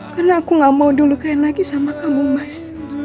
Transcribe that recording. karena aku gak mau dulu kain lagi sama kamu mas